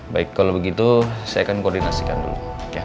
baik kalau begitu saya akan koordinasikan dulu